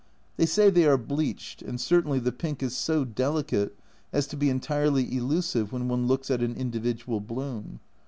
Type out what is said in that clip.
They say they are bleached, and certainly the pink is so delicate as to be entirely elusive when one looks at an individual bloom.